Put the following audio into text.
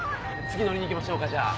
次乗りに行きましょうかじゃあ。